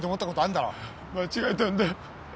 間違えたんだよ